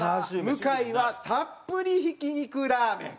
向はたっぷりひき肉ラーメン。